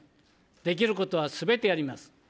できることはすべてやります。